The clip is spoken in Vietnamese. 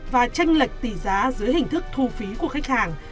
và tranh lệch tỷ giá dưới hình thức thu phí của khách hàng